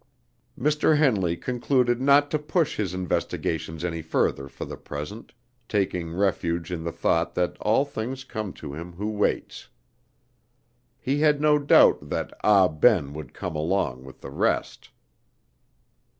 Mr. Henley concluded not to push his investigations any further for the present, taking refuge in the thought that all things come to him who waits. He had no doubt that Ah Ben would come along with the rest.